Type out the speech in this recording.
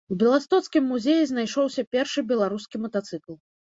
У беластоцкім музеі знайшоўся першы беларускі матацыкл.